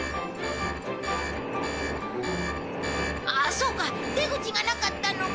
あっそうか出口がなかったのか。